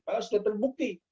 padahal sudah terbukti